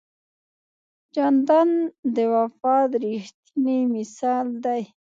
جانداد د وفا ریښتینی مثال دی.